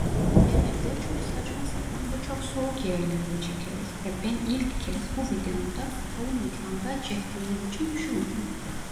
Genelde çok saçma sapan ve çok soğuk yerlerde çekeriz ve ben ilk kez bu videomda kapalı mekanda çektiğimiz için üşümedim.